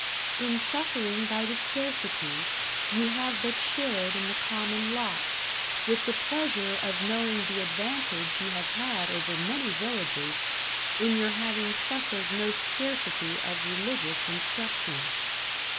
"In suffering by the scarcity, you have but shared in the common lot, with the pleasure of knowing the advantage you have had over many villages in your having suffered no scarcity of religious instruction."